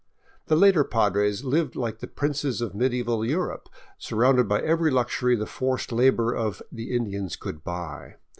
The later Padres lived like the princes of medieval Europe, surrounded by every luxury the forced labor of the Indians could buy.